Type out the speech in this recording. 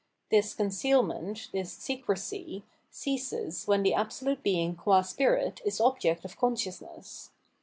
This concealment, this secrecy, ceases when the Absolute Being gua spirit is object of consciousness.